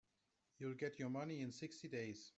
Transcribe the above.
You'll get your money in sixty days.